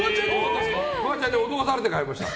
フワちゃんに脅されて買いました。